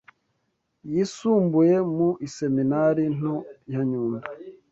yisumbuye mu Iseminari Nto ya Nyundo